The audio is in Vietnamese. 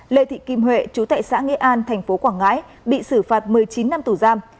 lê thị kim huệ chú thệ xã nghĩa an thành phố quảng ngãi bị xử phạt một mươi chín năm tù giam